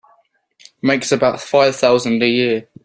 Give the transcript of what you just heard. Makes about five thousand a year.